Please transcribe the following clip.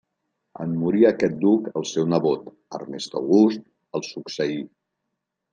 En morir aquest duc, el seu nebot, Ernest August, el succeí.